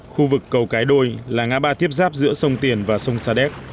khu vực cầu cái đôi là ngã ba tiếp giáp giữa sông tiền và sông sa đéc